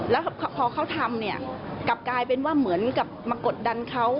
แล้วพอเขาทำเนี่ยกลับกลายเป็นว่าเหมือนกับมากดดันเขา